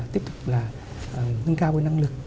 tiếp tục nâng cao năng lực